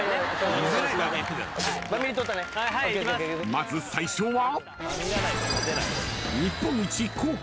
［まず最初は］